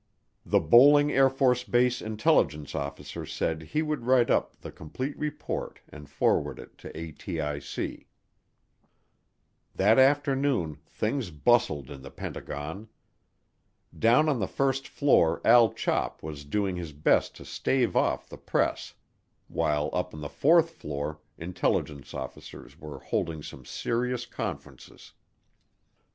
The Bolling AFB intelligence officer said he would write up the complete report and forward it to ATIC. That afternoon things bustled in the Pentagon. Down on the first floor Al Chop was doing his best to stave off the press while up on the fourth floor intelligence officers were holding some serious conferences.